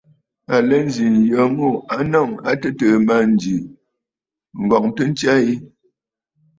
À lɛ nzi nyə ŋû a nɔŋə̀ a tɨtɨ̀ɨ̀ mânjì, ŋ̀ghɔŋtə ntsya yi.